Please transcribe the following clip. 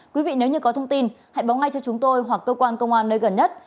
quý vị nếu như có thông tin hãy báo ngay cho chúng tôi hoặc cơ quan công an nơi gần nhất